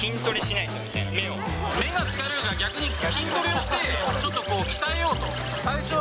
目が疲れたから、逆に筋トレをして、ちょっと鍛えようと？